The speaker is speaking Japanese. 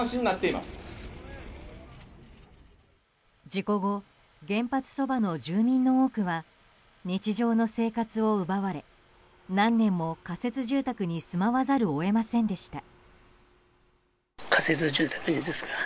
事故後原発そばの住民の多くは日常の生活を奪われ何年も仮設住宅に住まざるを得ませんでした。